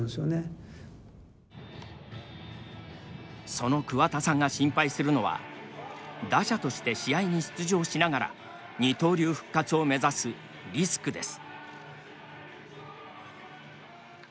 その桑田さんが心配するのは打者として試合に出場しながら二刀流復活を目指すリスクです。